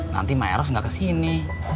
nanti maeros nggak kesini